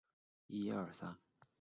顾悌对待妻子礼貌有则。